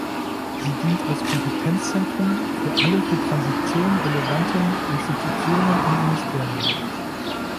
Sie dient als Kompetenzzentrum für alle für Transition relevanten Institutionen und Ministerien.